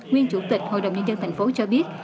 nguyên chủ tịch hội đồng nhân dân thành phố cho biết